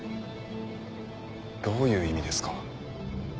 どういう意味ですか？